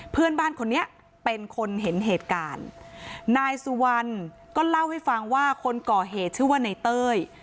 เพื่อนบ้านคนนี้เป็นคนเห็นเหตุการณ์นายสุวรรณก็เล่าให้ฟังว่าคนก่อเหตุชื่อว่าในเต้ย